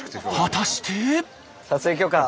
果たして。